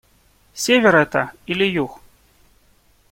Север это или Юг?